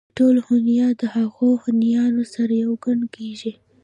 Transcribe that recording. دا ټول هونيان د هغو هونيانو سره يو گڼل کېږي